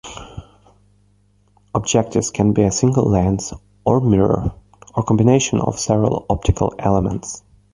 Objectives can be a single lens or mirror, or combinations of several optical elements.